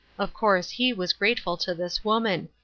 Of course he was grateful to this woman.